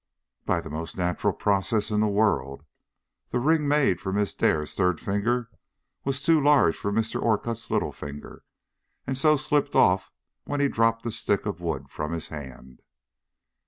"By the most natural process in the world. The ring made for Miss Dare's third finger was too large for Mr. Orcutt's little finger, and so slipped off when he dropped the stick of wood from his hand."